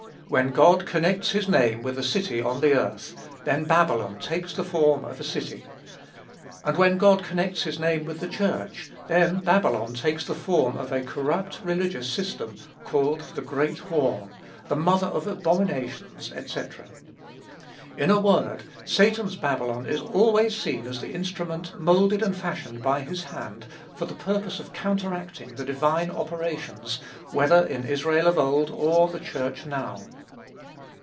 When God connects his name with a city on the earth, then Babylon takes the form of a city; and when God connects his name with the Church, then Babylon takes the form of a corrupt religious system, called "the great whore," "the mother of abominations," &c. In a word, Satan's Babylon is always seen as the instrument moulded and fashioned by his hand, for the purpose of counteracting the divine operations, whether in Israel of old, or the Church now.